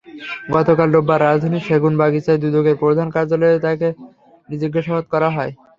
গতকাল রোববার রাজধানীর সেগুনবাগিচায় দুদকের প্রধান কার্যালয়ে তাঁদের জিজ্ঞাসাবাদ করা হয়।